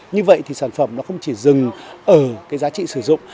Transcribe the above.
như vậy thì sản phẩm nó không chỉ dừng ở cái giá trị sử dụng